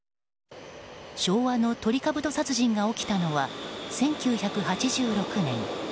昭和のトリカブト殺人が起きたのは１９８６年。